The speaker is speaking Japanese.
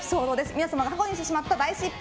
皆さんが過去にしてしまった失敗